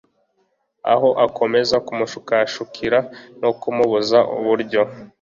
aho akomeza kumushukashukira no kumubuza uburyo